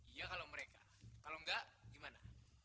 iya kalau mereka kalau enggak gimana